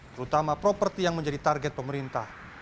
terutama properti yang menjadi target pemerintah